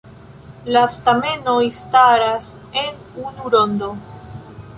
La stamenoj staras en unu rondo.